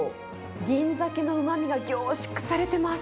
銀ザケのうまみが凝縮されてます。